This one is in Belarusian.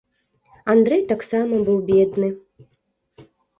Андрэй таксама быў бедны.